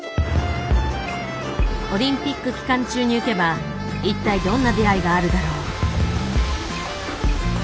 オリンピック期間中にゆけば一体どんな出会いがあるだろう。